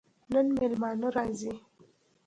نن مېلمانه راځي